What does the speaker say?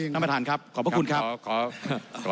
ท่านประธานก็ต้องประท้วงมีอีกข้อมังคับครับ